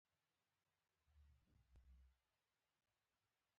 پاچا یو شمېر ځایناستو تصویري نومونه لرل.